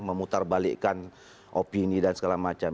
memutar balikkan opini dan segala macam